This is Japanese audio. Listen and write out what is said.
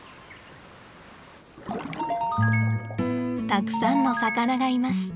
たくさんの魚がいます。